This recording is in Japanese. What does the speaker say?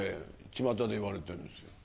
ちまたで言われてんですよ。